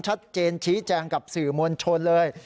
ชี้แจงชี้แจงกับสื่อมวลชนเลย